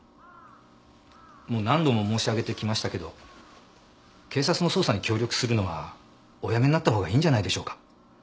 もう何度も申し上げてきましたけど警察の捜査に協力するのはおやめになったほうがいいんじゃないでしょうか。